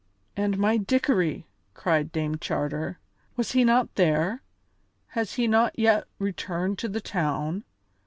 "And my Dickory," cried Dame Charter, "was he not there? Has he not yet returned to the town?